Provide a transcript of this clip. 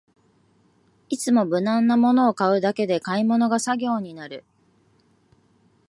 いつも無難なものを買うだけで買い物が作業になる